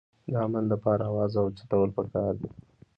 د امن دپاره اواز اوچتول پکار دي